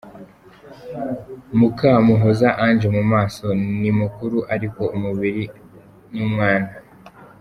Mukamuhoza Ange mu maso ni mukuru ariko umubiri ni uw’umwana.